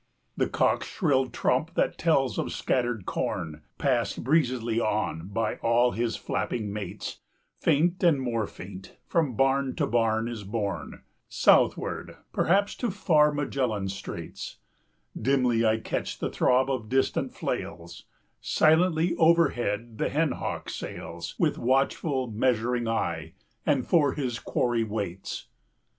The cock's shrill trump that tells of scattered corn, Passed breezily on by all his flapping mates, 30 Faint and more faint, from barn to barn is borne, Southward, perhaps to far Magellan's Straits; Dimly I catch the throb of distant flails; Silently overhead the hen hawk sails, 34 With watchful, measuring eye, and for his quarry waits.